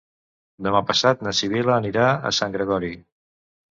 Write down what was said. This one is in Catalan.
Demà passat na Sibil·la anirà a Sant Gregori.